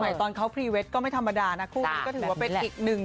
ตอนเขาพรีเวทก็ไม่ธรรมดานะคู่นี้ก็ถือว่าเป็นอีกหนึ่ง